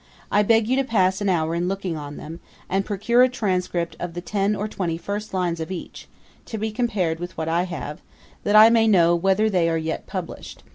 I beg you to pass an hour in looking on them, and procure a transcript of the ten or twenty first lines of each, to be compared with what I have; that I may know whether they are yet published.